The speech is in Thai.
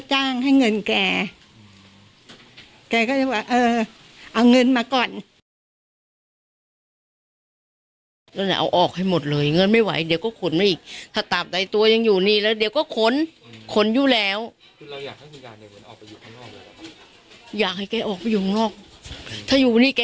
อยากให้แกออกไปอยู่ข้างนอกถ้าอยู่วันนี้แกก็ขนอีกอ่ะ